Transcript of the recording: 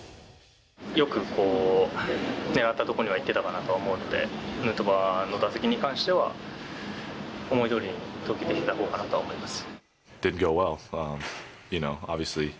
よく狙った所には行ってたかなとは思うんで、ヌートバーの打席に関しては、思いどおりに投球できたほうかなとは思います。